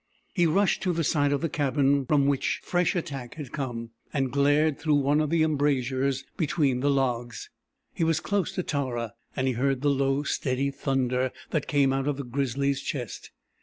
He rushed to the side of the cabin from which the fresh attack had come, and glared through one of the embrasures between the logs. He was close to Tara, and he heard the low, steady thunder that came out of the grizzly's chest.